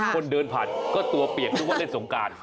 คนเดินผ่านก็ตัวเปียกนึกว่าเล่นสงการ